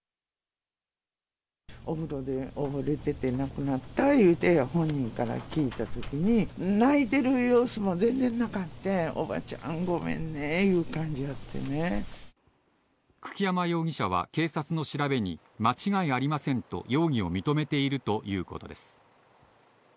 お風呂で溺れてて亡くなったというて、本人から聞いたときに、泣いてる様子も全然なかったいうて、おばちゃん、ごめんねという久木山容疑者は警察の調べに間違いありませんと、容疑を認めているということです。